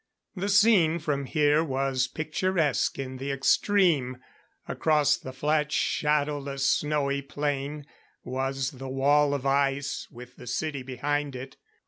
The scene from here was picturesque in the extreme. Across the flat, shadowless snowy plain was the wall of ice with the city behind it.